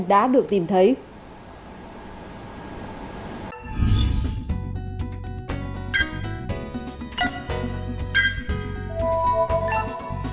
các nạn nhân đã được tìm thấy